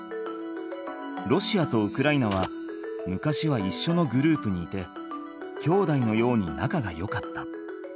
ロシアとウクライナは昔はいっしょのグループにいてきょうだいのようになかがよかった。